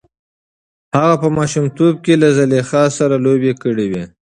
هغه په ماشومتوب کې له زلیخا سره لوبې کړې وې.